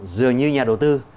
dường như nhà đầu tư